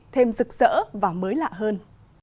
thêm rực rỡ và mới lạ hơn